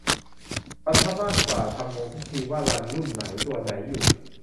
บรรทัดล่างกว่า ทำงงทุกที ว่ารันรุ่นไหนตัวไหนอยู่